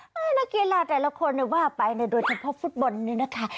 นักกีฬาแต่ละคนว่าไปโดยเฉพาะฟุตบอลนี้นะคะ